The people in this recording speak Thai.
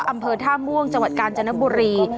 อำเภอท่าม่วงจังหวัดกาญจนบุรี